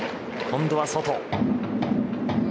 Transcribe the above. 今度は外。